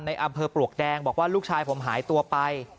อำเภอปลวกแดงบอกว่าลูกชายผมหายตัวไป